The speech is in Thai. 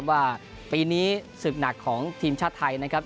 ว่าปีนี้ศึกหนักของทีมชาติไทยนะครับ